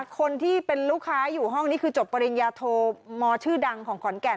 คนที่เป็นลูกค้าอยู่ห้องนี้คือจบปริญญาโทมชื่อดังของขอนแก่น